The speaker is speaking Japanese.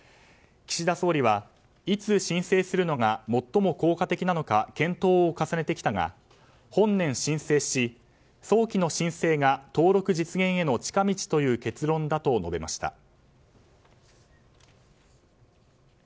岸田総理は、いつ申請するのが最も効果的なのか検討を重ねてきたが、本年申請し早期の申請が登録実現への近道という結論だと述べました。